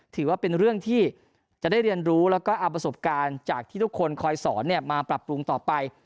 ถือว่าเป็นเรื่องที่จะได้เรียนรู้แล้วก็เอาประสบการณ์จากที่ทุกคนคอยสอนมาปรับปรุงต่อไป